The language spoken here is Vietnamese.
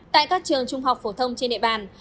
tại các trường trung học phổ thông trên địa bàn